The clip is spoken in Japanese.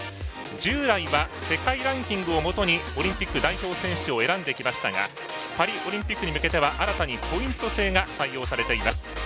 従来は世界ランキングをもとにオリンピック代表選手を選んできましたがパリオリンピックに向けては新たにポイント制が設定されています。